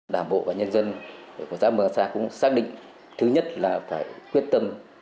đảng bộ và nhân dân của xã mường sa cũng xác định thứ nhất là phải quyết tâm